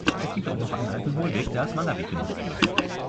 Es gibt auch noch einen alten Hohlweg, der als Wanderweg genützt wird.